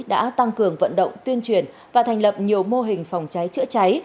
đã tăng cường vận động tuyên truyền và thành lập nhiều mô hình phòng trái chữa trái